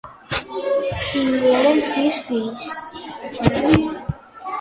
Tingueren sis fills.